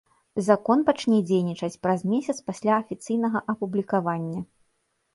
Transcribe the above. Закон пачне дзейнічаць праз месяц пасля афіцыйнага апублікавання.